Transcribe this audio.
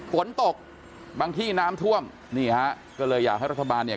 ฝนตกบางที่น้ำท่วมนี่ฮะก็เลยอยากให้รัฐบาลเนี่ย